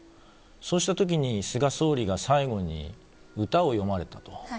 そうした時に菅総理が最後に歌を詠まれたと。